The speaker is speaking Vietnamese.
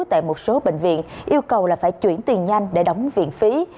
tại một số bệnh viện yêu cầu là phải chuyển tiền nhanh để đóng viện phí